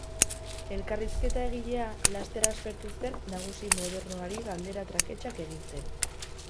Elkarrizketa egilea, laster aspertu zen nagusi modernoari galdera traketsak egiten.